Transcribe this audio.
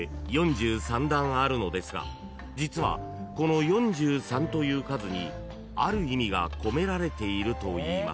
［あるのですが実はこの四十三という数にある意味が込められているといいます］